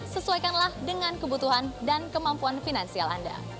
sesuaikanlah dengan kebutuhan dan kemampuan finansial anda